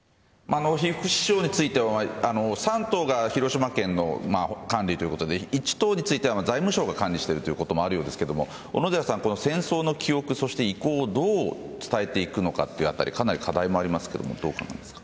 被服支廠については３棟が広島県の管理ということで１棟は財務省が管理していることもあるようですが小野寺さん、この戦争の記憶遺構をどう伝えていくのかかなり課題もありますけどどうですか。